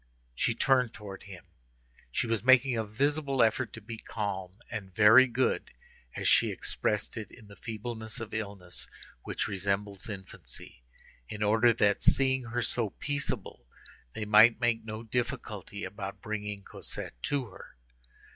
She turned towards him; she was making a visible effort to be calm and "very good," as she expressed it in the feebleness of illness which resembles infancy, in order that, seeing her so peaceable, they might make no difficulty about bringing Cosette to her.